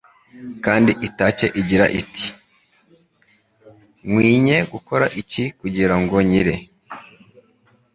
kandi itake igira iti : "Nkwinye gukora iki kugira ngo nkire?."